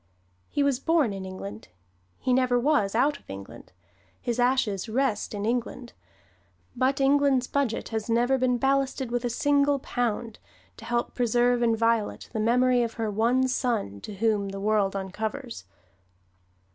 He was born in England; he never was out of England; his ashes rest in England. But England's Budget has never been ballasted with a single pound to help preserve inviolate the memory of her one son to whom the world uncovers.